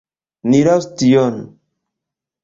Ni lasu tion.